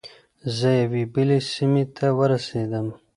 زه یوې بلې سیمې ته ورسیدم.